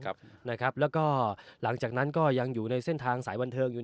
ครับนะครับแล้วก็หลังจากนั้นก็ยังอยู่ในเส้นทางสายบันเทิงอยู่